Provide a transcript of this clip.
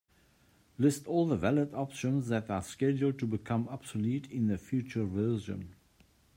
List all the valid options that are scheduled to become obsolete in a future version.